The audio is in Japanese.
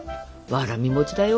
わらび餅だよ。